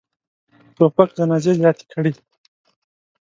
توپک جنازې زیاتې کړي.